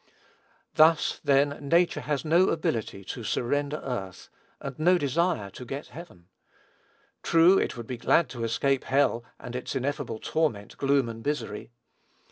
Thus, then, nature has no ability to surrender earth, and no desire to get heaven. True, it would be glad to escape hell and its ineffable torment, gloom, and misery.